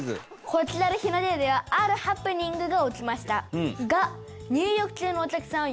こちらの日の出湯ではあるハプニングが起きました。